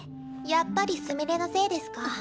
やっぱりすみれのせいデスカ。